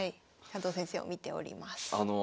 加藤先生を見ております。